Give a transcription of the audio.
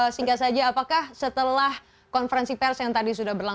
singkat saja apakah setelah konferensi pers yang tadi sudah berlangsung